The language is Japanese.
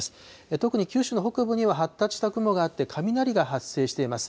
特に九州の北部には発達した雲があって、雷が発生しています。